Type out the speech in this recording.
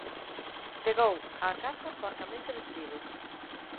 Chegou á casa porcamente vestido.